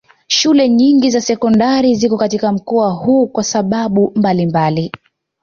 Shule nyingi za sekondari ziko katika mkoa huu kwa sababu mbalimbali